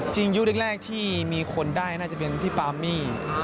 จริงอยู่กันทั้งแรกที่มีคนได้ด้านนิดหนึ่งก็เป็นพี่ปามมี่